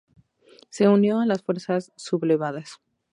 Se unió a las fuerzas sublevadas.